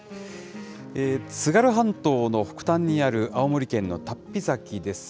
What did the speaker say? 津軽半島の北端にある、青森県の龍飛崎です。